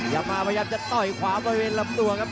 อย่ามาพยายามจะต่อยขวาบริเวณลำตัวครับ